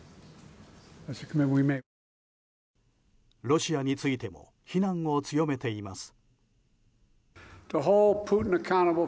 ロシアについても非難を強めています。